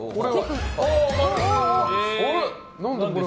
あれ？